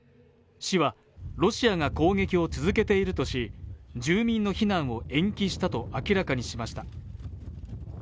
市はロシアが攻撃を続けているとし、住民の避難を延期したと明らかにしました。